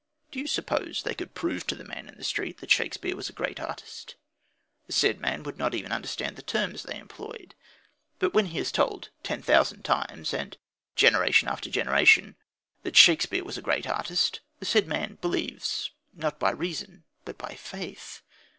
Do you suppose they could prove to the man in the street that Shakespeare was a great artist? The said man would not even understand the terms they employed. But when he is told ten thousand times, and generation after generation, that Shakespeare was a great artist, the said man believes not by reason, but by faith.